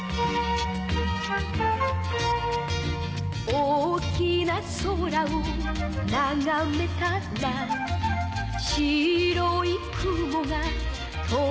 「大きな空をながめたら」「白い雲が飛んでいた」